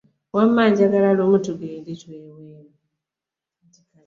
Wamma njagala lumu tugende tweweemu.